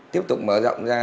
tiếp tục mở rộng ra